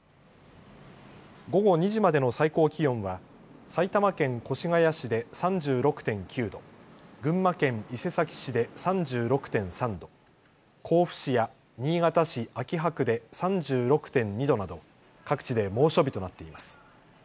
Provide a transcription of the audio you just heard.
午後２時までの最高気温は埼玉県越谷市で３６．９度、群馬県伊勢崎市で３６．３度、甲府市や新潟市秋葉区で３６．２度など各地で猛暑日となっています。